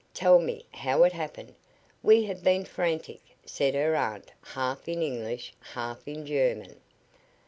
Tell me how it happened. We have been frantic," said her aunt, half in English, half in German.